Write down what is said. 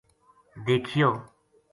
دیکھیو